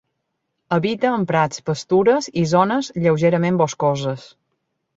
Habita en prats, pastures i zones lleugerament boscoses.